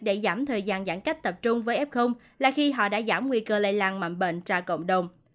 để giảm thời gian giãn cách tập trung với f là khi họ đã giảm nguy cơ lây lan mậm bệnh ra cộng đồng